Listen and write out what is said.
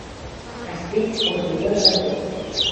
Estic orgullós de tu.